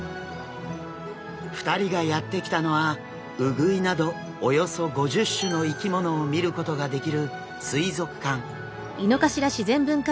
２人がやって来たのはウグイなどおよそ５０種の生き物を見ることができる水族館。